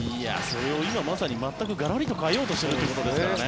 今、まさに全くがらりと変えようとしているということですからね。